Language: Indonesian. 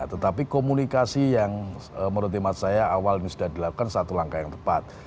tetapi komunikasi yang menurut imat saya awal ini sudah dilakukan satu langkah yang tepat